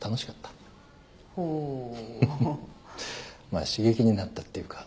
まあ刺激になったっていうか。